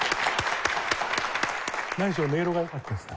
何しろ音色が良かったです。